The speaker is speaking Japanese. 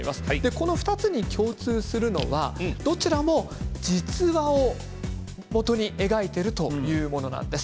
この２つに共通するのはどちらも実話をもとに描いているというものなんです。